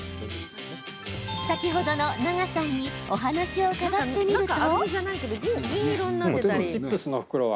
先ほどの永さんにお話を伺ってみると。